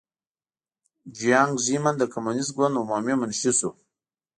جیانګ زیمن د کمونېست ګوند عمومي منشي شو.